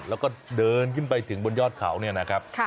แล้วก็เดินขึ้นไปถึงบนยอดเขาเนี่ยนะครับ